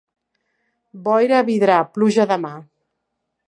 Boira a Vidrà, pluja demà.